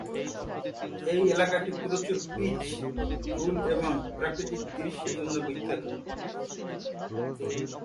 এই এলাকাটি প্রচুর পীচ ফুল এবং প্রাকৃতিক দৃশ্যের জন্য বিখ্যাত।